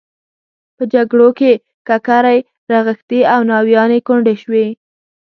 په جګړو کې ککرۍ رغښتې او ناویانې کونډې شوې.